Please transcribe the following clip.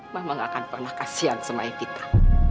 mama gak akan pernah kasihan sama kita